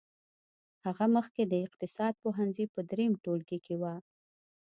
هغه مخکې د اقتصاد پوهنځي په دريم ټولګي کې وه.